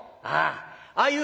ああ。